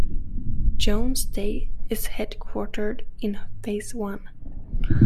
Jones Day is headquartered in Phase I.